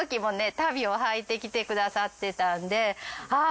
足袋を履いてきてくださってたんでああ